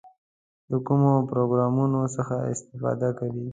د کومو پروګرامونو څخه استفاده کوئ؟